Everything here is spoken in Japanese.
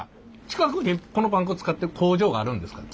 近くにこのパン粉作ってる工場があるんですか？